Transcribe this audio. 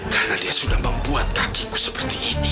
karena dia sudah membuat kakiku seperti ini